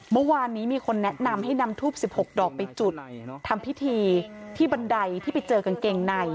เมื่อวานนี้มีคนแนะนำให้นำทูบ๑๖ดอกไปจุดทำพิธีที่บันไดที่ไปเจอกางเกงใน